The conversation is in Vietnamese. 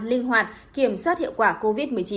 linh hoạt kiểm soát hiệu quả covid một mươi chín